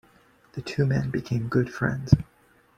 The two men became good friends.